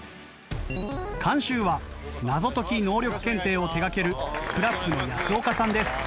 監修は謎解き能力検定を手がけるＳＣＲＡＰの安岡さんです。